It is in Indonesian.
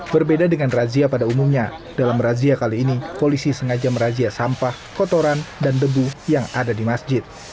berbeda dengan razia pada umumnya dalam razia kali ini polisi sengaja merazia sampah kotoran dan debu yang ada di masjid